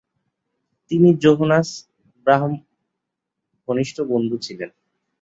তিনি জোহানস ব্রাহামসের ঘনিষ্ঠ বন্ধু ছিলেন।